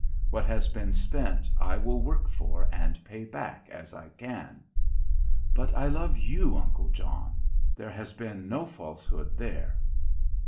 What has been spent I will work for and pay back as I can. But I love you, uncle John; there has been no falsehood there."